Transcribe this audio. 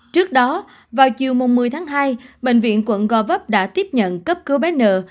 trước đó vào chiều một mươi tháng hai bệnh viện quận gò vấp đã tiếp nhận cấp cứu bé nợ